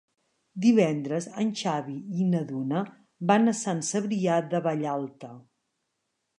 Divendres en Xavi i na Duna van a Sant Cebrià de Vallalta.